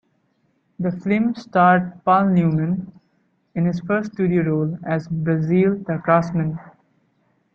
The film starred Paul Newman, in his first studio role, as Basil the craftsman.